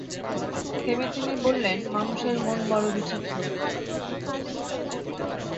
থেমেথেমে বললেন, মানুষের মন বড় বিচিত্র।